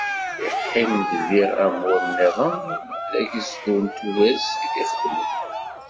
Iqqim-d diɣ amur-nniḍen d agezdu n Tubiret i t-ixeddmen.